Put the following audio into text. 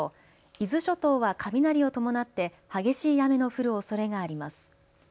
伊豆諸島は雷を伴って激しい雨の降るおそれがあります。